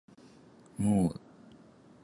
もーう